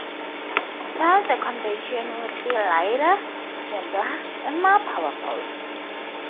So the conversion would be lighter, simpler and more powerful.